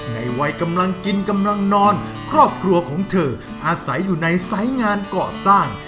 ในวัยกำลังกินกำลังนอนครอบครัวของเธออาศัยอยู่ในสายงานเกาะสร้าง